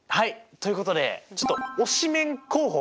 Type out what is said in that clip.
ということでちょっと推しメン候補